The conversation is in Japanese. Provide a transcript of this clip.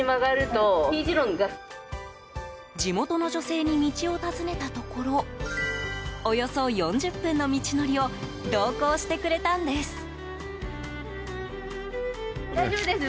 地元の女性に道を尋ねたところおよそ４０分の道のりを同行してくれたんです。